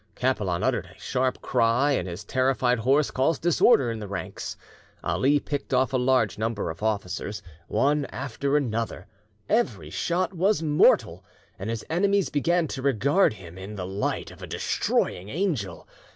Capelan uttered a sharp cry, and his terrified horse caused disorder in the ranks. Ali picked off a large number of officers, one after another; every shot was mortal, and his enemies began to regard him in, the light of a destroying angel.